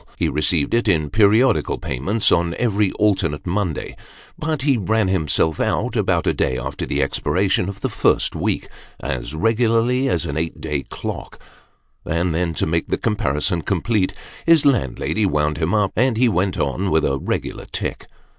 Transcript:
He received it in periodical payments on every alternate Monday ; but he ran himself out, about a day after the expiration of the first week, as regularly as an eight day clock ; and then, to make the comparison complete, his landlady wound him up, and he went on with a regular tick.